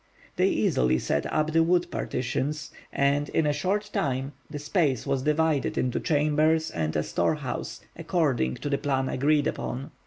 They easily set up the wood partitions, and in a short time the space was divided into chambers and a store house, according to the plan agreed upon.